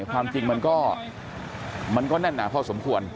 ความจริงมันก็แน่นหนาพอสมควร